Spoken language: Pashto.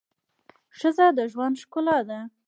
ښځه د ژوند ښکلا ده